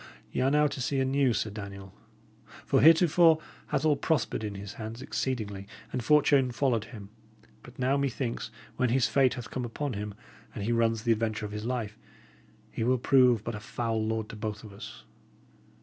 Y' are now to see a new Sir Daniel; for heretofore hath all prospered in his hands exceedingly, and fortune followed him; but now, methinks, when his fate hath come upon him, and he runs the adventure of his life, he will prove but a foul lord to both of us.